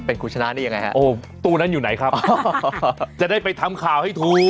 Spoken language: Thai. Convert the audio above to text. เป็นคุณชนะนี่ยังไงฮะโอ้ตู้นั้นอยู่ไหนครับจะได้ไปทำข่าวให้ถูก